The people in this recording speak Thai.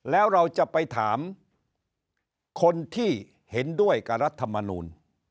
แล้วเราจะไปถามคนที่เห็นด้วยกับรัฐมนูล